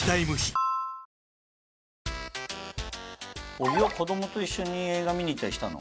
小木は子供と一緒に映画見に行ったりしたの？